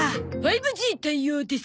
５Ｇ対応です。